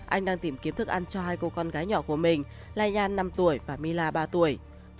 anh đang tìm kiếm thức ăn cho hai cô con gái nhỏ của mình layan năm tuổi và mila ba tuổi